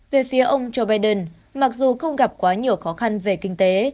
về phía ông joe biden mặc dù không gặp quá nhiều khó khăn về kinh tế